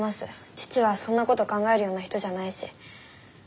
父はそんな事考えるような人じゃないし。